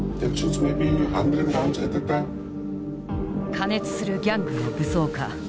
過熱するギャングの武装化。